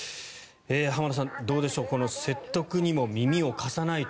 浜田さん、どうでしょう説得にも耳を貸さないと。